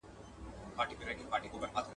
د پېښي څخه تښته نسته.